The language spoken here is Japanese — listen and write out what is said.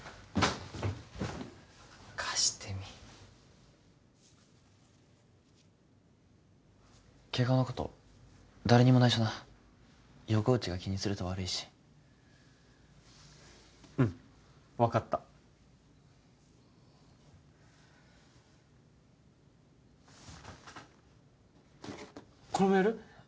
貸してみケガのこと誰にも内緒な横内が気にすると悪いしうん分かったこれもやる？